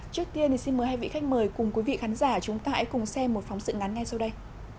trước tiên thì xin mời hai vị khách mời cùng quý vị khán giả chúng ta hãy cùng xem một phóng sự ngắn ngay sau đây